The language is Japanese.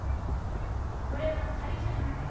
これは借りじゃないから。